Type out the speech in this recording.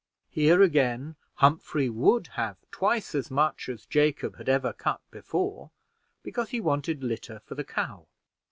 Here again Humphrey would have twice as much as Jacob had ever cut before, because he wanted litter for the cow.